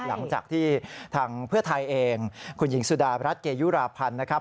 หลังจากที่ทางเพื่อไทยเองคุณหญิงสุดารัฐเกยุราพันธ์นะครับ